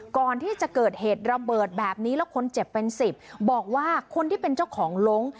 ก่อนที่จะเกิดเหตุระเบิดแบบนี้แล้วคนเจ็บเป็นสิบบอกว่าคนที่เป็นเจ้าของลง